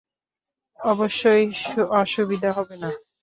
অবশ্যই অসুবিধা হবে না।